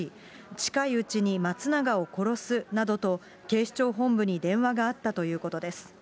近いうちに松永を殺すなどと、警視庁本部に電話があったということです。